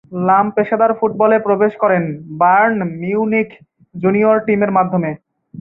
লাম পেশাদার ফুটবলে প্রবেশ করেন বায়ার্ন মিউনিখ জুনিয়র টিমের মাধ্যমে।